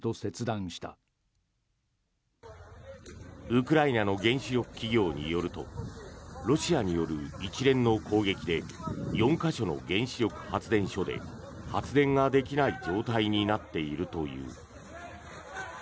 ウクライナの原子力企業によるとロシアによる一連の攻撃で４か所の原子力発電所で発電ができない状態になっているという。